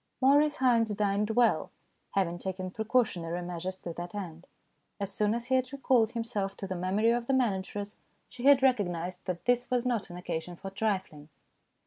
Maurice Haynes dined well, having taken pre cautionary measures to that end. As soon as he had recalled himself to the memory of the manageress, she had recognized that this was not an occasion for trifling.